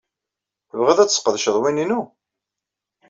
Tebɣiḍ ad tesqedceḍ win-inu?